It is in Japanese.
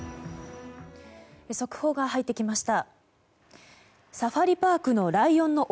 速報が入ってきました。